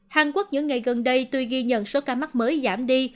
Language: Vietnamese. hàn quốc những ngày gần đây tuy ghi nhận số ca mắc mới giảm đi